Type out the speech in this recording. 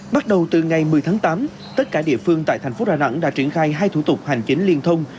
bắt đầu từ ngày một mươi tháng tám tất cả địa phương tại thành phố đà nẵng đã triển khai hai thủ tục hành chính liên thông